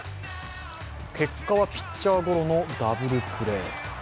結果はピッチャーゴロのダブルプレー。